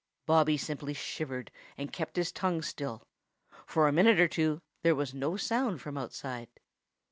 Bobby simply shivered and kept his tongue still. For a minute or two there was no sound from outside.